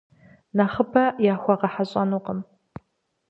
Нэхъыбэ яхуэгъэхьэщӏэнукъым.